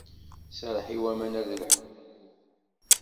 Serreḥ i waman ad lḥun.